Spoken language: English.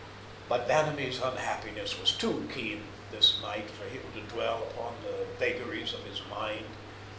But Vanamee's unhappiness was too keen this night for him to dwell long upon the vagaries of his mind.